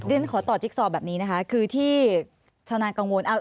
ฉันขอต่อจิ๊กซอแบบนี้นะคะคือที่ชาวนากังวล